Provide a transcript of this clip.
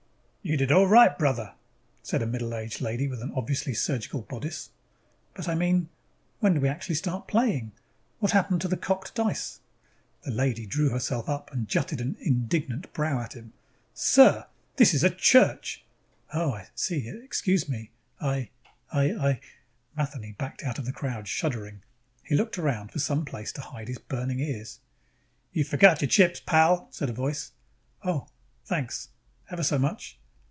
"You did all right, brother," said a middle aged lady with an obviously surgical bodice. "But I mean when do we start actually playing? What happened to the cocked dice?" The lady drew herself up and jutted an indignant brow at him. "Sir! This is a church!" "Oh I see excuse me, I, I, I " Matheny backed out of the crowd, shuddering. He looked around for some place to hide his burning ears. "You forgot your chips, pal," said a voice. "Oh. Thanks. Thanks ever so much.